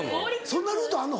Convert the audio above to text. そんなルートあんの？